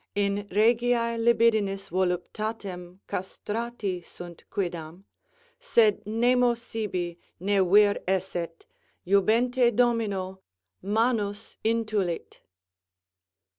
In regiæ libidinis voluptatem castrati sunt quidam; sed nemo sibi, ne vir esset, jubente domino, mantis intulit.